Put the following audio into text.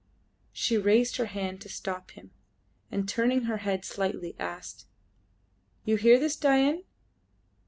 She raised her hand to stop him, and turning her head slightly, asked "You hear this Dain!